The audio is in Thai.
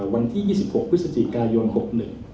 วันที่๒๖พฤศจิกายน๖๑